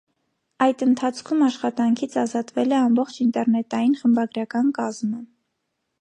Այդ ընթացքում աշխատանքից ազատվել է ամբողջ ինտերնետային խմբագրական կազմը։